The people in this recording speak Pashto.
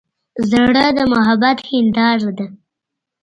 زړه د محبت هنداره ده.